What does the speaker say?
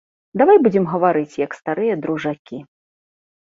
Давай будзем гаварыць як старыя дружакі.